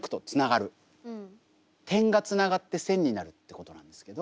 点がつながって線になるってことなんですけど。